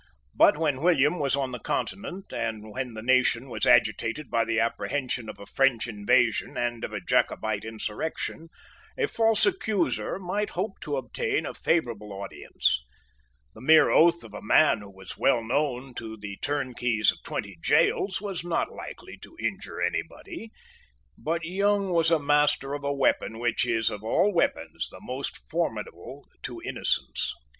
But when William was on the Continent, and when the nation was agitated by the apprehension of a French invasion and of a Jacobite insurrection, a false accuser might hope to obtain a favourable audience. The mere oath of a man who was well known to the turnkeys of twenty gaols was not likely to injure any body. But Young was master of a weapon which is, of all weapons, the most formidable to innocence.